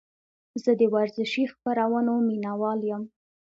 زه د ورزشي خپرونو مینهوال یم.